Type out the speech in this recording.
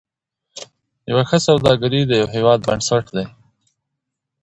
هغه د سوداګریزو اړیکو د دوام لپاره هم هڅه وکړه او بریالی شو.